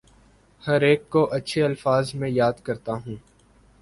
ہر ایک کو اچھے الفاظ میں یاد کرتا ہوں